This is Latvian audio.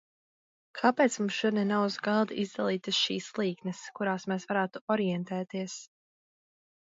Kāpēc mums šodien nav uz galda izdalītas šīs līknes, kurās mēs varētu orientēties?